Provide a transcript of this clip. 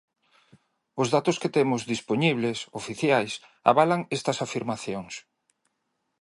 Os datos que temos dispoñibles, oficiais, avalan estas afirmacións.